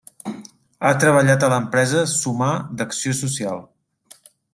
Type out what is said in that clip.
Ha treballat a l'empresa Sumar d'acció social.